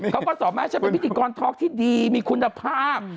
เขาก็สอนมาฉันเป็นพิธีกรทอล์กที่ดีมีคุณภาพ